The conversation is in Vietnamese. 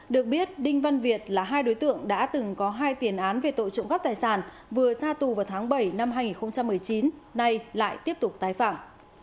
được biết đinh văn việt là hai đối tượng đã từng có hai tiền án về tội trộm cắp tài sản vừa ra tù vào tháng bảy năm hai nghìn một mươi chín nay lại tiếp tục tái phạm